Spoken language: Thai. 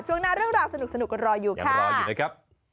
ช่วงหน้าเรื่องราวสนุกก็รออยู่ค่ะ